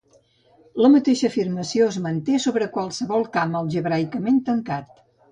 La mateixa afirmació es manté sobre qualsevol camp algebraicament tancat.